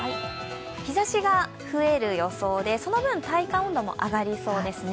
日ざしが増える予想で、その分体感温度も上がりそうですね。